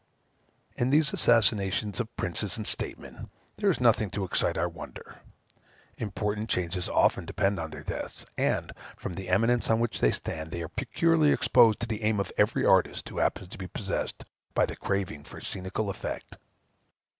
In these assassinations of princes and statesmen, there is nothing to excite our wonder; important changes often depend on their deaths; and, from the eminence on which they stand, they are peculiarly exposed to the aim of every artist who happens to be possessed by the craving for scenical effect.